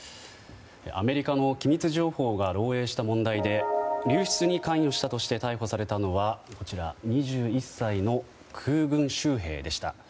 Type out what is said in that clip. アメリカの機密情報が漏洩した問題で流出に関与したとして逮捕されたのは２１歳の空軍州兵でした。